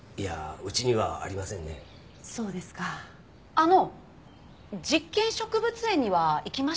あの実験植物園には行きました？